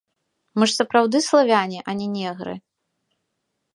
Мы ж сапраўды славяне, а не негры.